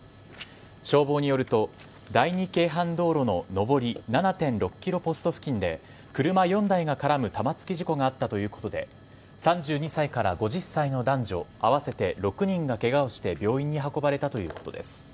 消防によると、第二京阪道路の上り７．６キロポスト付近で、車４台が絡む玉突き事故があったということで、３２歳から５０歳の男女、合わせて６人がけがをして病院に運ばれたということです。